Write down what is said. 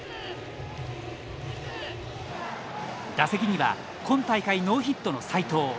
打席には今大会ノーヒットの斎藤。